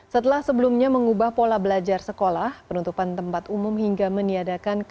setelah sebelumnya mengubah pola belajar sekolah penutupan tempat umum hingga meniadakan